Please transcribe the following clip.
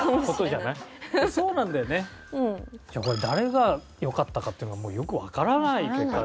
じゃあこれ誰がよかったかっていうのがもうよくわからない結果。